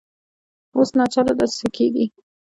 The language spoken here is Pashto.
اوس ناچله دا سکې دي